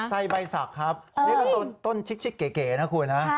ใบสักครับนี่ก็ต้นชิกเก๋นะคุณนะ